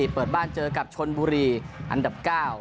เปิดบ้านเจอกับชนบุรีอันดับ๙